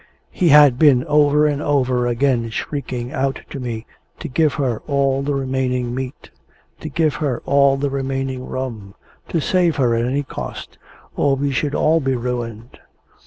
He had been over and over again shrieking out to me to give her all the remaining meat, to give her all the remaining rum, to save her at any cost, or we should all be ruined.